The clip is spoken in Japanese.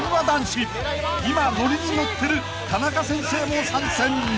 ［今ノリにノってる田中先生も参戦］